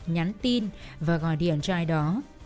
nhắn tin và gọi điện cho ai đó